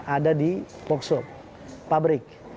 ada di voxhop pabrik